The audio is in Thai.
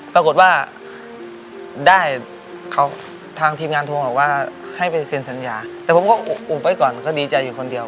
ปรากฏว่าได้เขาทางทีมงานโทรมาว่าให้ไปเซ็นสัญญาแต่ผมก็อุบไว้ก่อนก็ดีใจอยู่คนเดียว